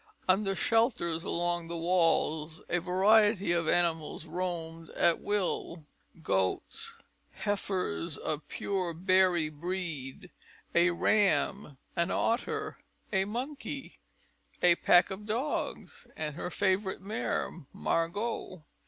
Under shelters arranged along the walls a variety of animals roamed at will: goats, heifers of pure Berri breed, a ram, an otter, a monkey, a pack of dogs, and her favourite mare, Margot.